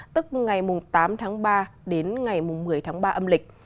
tức ngày tám tháng ba đến ngày một mươi tháng ba âm lịch